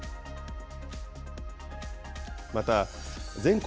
また、全国